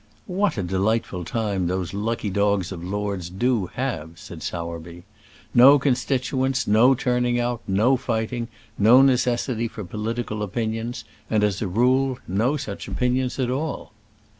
"What a delightful time those lucky dogs of lords do have!" said Sowerby. "No constituents, no turning out, no fighting, no necessity for political opinions, and, as a rule, no such opinions at all!"